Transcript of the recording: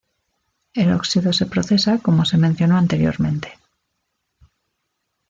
El óxido se procesa como se mencionó anteriormente.